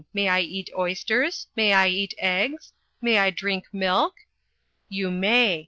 May I eat oysters? May I eat eggs? May I drink milk?' You may.